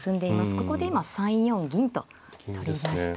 ここで今３四銀と取りました。